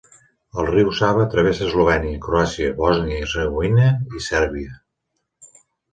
El riu Sava travessa Eslovènia, Croàcia, Bòsnia i Hercegovina i Sèrbia.